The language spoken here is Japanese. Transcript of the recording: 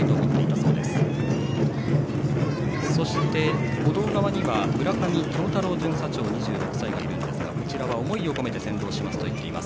そして、歩道側には村上響太郎巡査長２６歳がいるんですが思いを込めて先導しますと言っています。